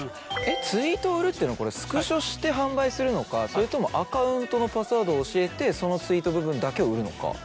ツイートを売るっていうのはこれスクショして販売するのかそれともアカウントのパスワードを教えてそのツイート部分だけを売るのか。